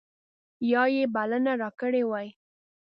یا یې بلنه راکړې وای.